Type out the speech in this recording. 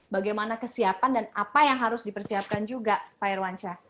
bagaimana kesiapan dan apa yang harus dipersiapkan juga pak irwansyah